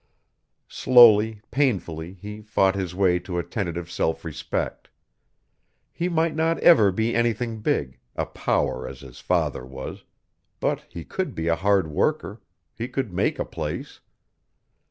Slowly, painfully, he fought his way to a tentative self respect. He might not ever be anything big, a power as his father was, but he could be a hard worker, he could make a place.